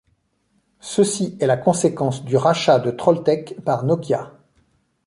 Ceci est la conséquence du rachat de Trolltech par Nokia.